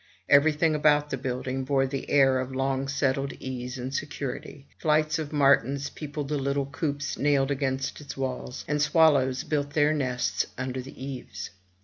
Everything about the building bore the air of long settled ease and security. Flights of martins peopled the little coops nailed against its walls, and swallows built their nests under the eaves.